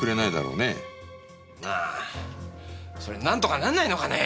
ああそれなんとかなんないのかね。